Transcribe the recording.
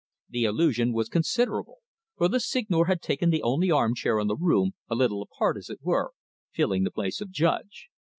The illusion was considerable, for the Seigneur had taken the only arm chair in the room, a little apart, as it were, filling the place of judge.